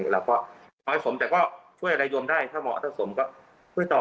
แล้วก็น้อยสมแต่ก็ช่วยอะไรยมได้ถ้าเหมาะถ้าสมก็ช่วยต่อ